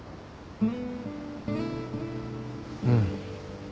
うん。